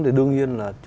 thì đương nhiên là